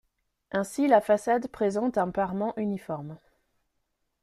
Ainsi la façade présente un parement uniforme.